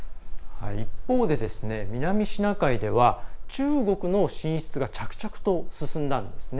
一方で南シナ海では中国の進出が着々と進んだんですね。